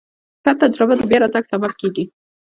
ښه تجربه د بیا راتګ سبب کېږي.